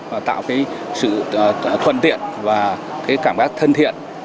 và tạo cái sự thuận tiện và cái cảm giác thân thiện